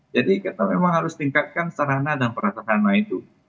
jadi kita memang harus tingkatkan serana dan perasaan itu